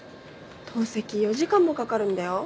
透析４時間もかかるんだよ